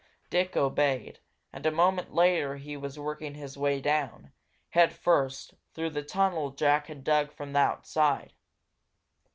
Dick obeyed, and a moment later he was working his way down, head first, through the tunnel Jack had dug from the outside.